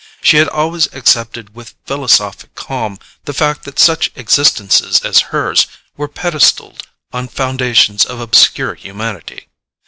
She had always accepted with philosophic calm the fact that such existences as hers were pedestalled on foundations of obscure humanity.